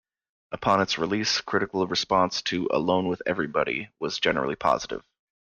Upon its release, critical response to "Alone with Everybody" was generally positive.